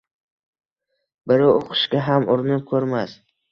Biri o’qishga ham urinib ko’rmas…